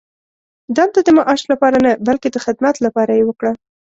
دنده د معاش لپاره نه، بلکې د خدمت لپاره یې وکړه.